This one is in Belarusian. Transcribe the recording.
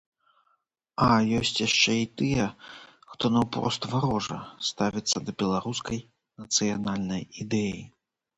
А ёсць яшчэ і тыя, хто наўпрост варожа ставіцца да беларускай нацыянальнай ідэі.